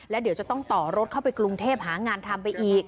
แล้วเดี๋ยวจะต้องต่อรถเข้าไปกรุงเทพหางานทำไปอีก